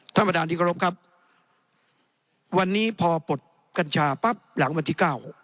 ท่านประดาษดิกรมครับวันนี้พอปลดกัญชาปั๊บหลังวันที่๙